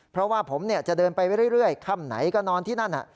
เพราะว่าผมจะเดินไปเรื่อยค่ำไหนก็นอนที่นั่น